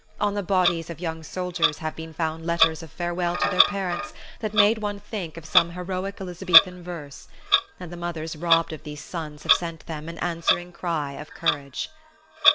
On the bodies of young soldiers have been found letters of farewell to their parents that made one think of some heroic Elizabethan verse; and the mothers robbed of these sons have sent them an answering cry of courage.